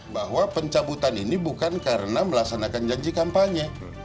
bahwa pencabutan ini bukan karena melaksanakan janji kampanye